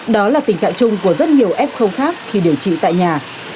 đó là tình trạng chung của rất nhiều f khi điều trị tại nhà